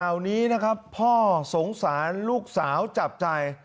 ข่าวนี้นะครับพ่อสงสารลูกสาวจับใจ